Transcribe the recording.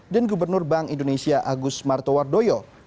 dan gubernur bank indonesia agus martowardoyo